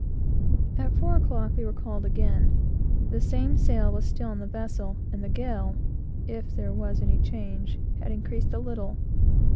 At four o'clock, we were called again. The same sail was still on the vessel, and the gale, if there was any change, had increased a little.